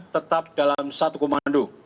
tetap dalam satu komando